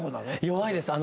弱いです。